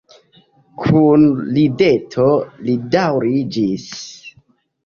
Kun rideto li daŭrigis.